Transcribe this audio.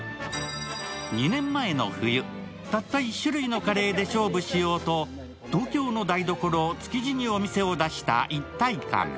２年前の冬、たった１種類のカレーで勝負しようと東京の台所、築地にお店を出した一体感。